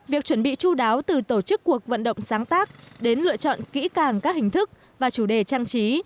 việc chuẩn bị chú đáo từ tổ chức cuộc vận động sáng tác đến lựa chọn kỹ càng các hình thức và chủ đề trang trí